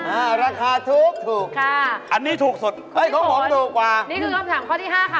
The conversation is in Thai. อ่าราคาถูกถูกค่ะอันนี้ถูกสุดเฮ้ยของผมถูกกว่านี่คือคำถามข้อที่ห้าค่ะ